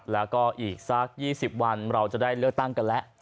แล้วก็อีกสัก๒๐วันเราจะได้เลือกตั้งกันแล้ว